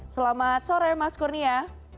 selamat sore mas kurnia